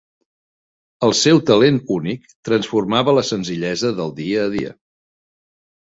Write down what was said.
El seu talent únic transformava la senzillesa del dia a dia.